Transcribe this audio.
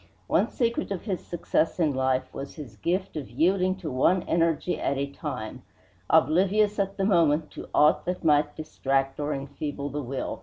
One secret of his success in life was his gift of yielding to one energy at a time, oblivious at the moment to aught that might distract or enfeeble the will.